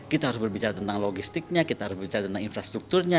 kita harus berbicara tentang logistiknya infrastrukturnya